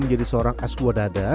menjadi seorang aswadada